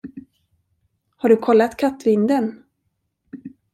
Har du kollat kattvinden?